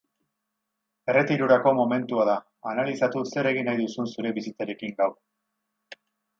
Erretirorako momentua da, analizatu zer egin nahi duzun zure bizitzarekin gaur.